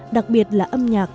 đặc biệt là âm nhạc